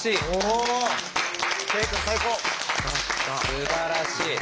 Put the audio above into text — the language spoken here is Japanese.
すばらしい。